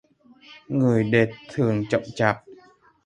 Người đệt thường chậm chạp